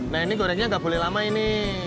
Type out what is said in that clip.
nah ini gorengnya nggak boleh lama ini